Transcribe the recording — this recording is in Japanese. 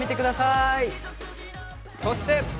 ◆そして！